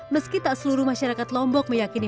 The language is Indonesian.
meski tak seluruh masyarakat lombok meyakini